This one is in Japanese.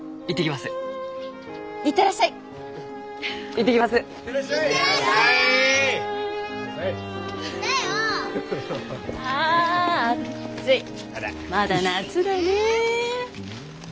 まだ夏だねえ。